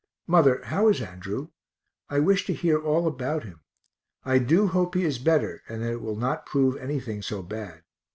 Mother, how is Andrew? I wish to hear all about him I do hope he is better, and that it will not prove anything so bad.